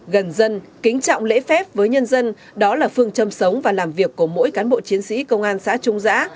gần dân kính trọng lễ phép với nhân dân đó là phương châm sống và làm việc của mỗi cán bộ chiến sĩ công an xã trung giã